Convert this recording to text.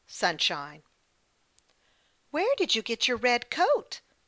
SUNSHINE "WHERE did you get your red coat?"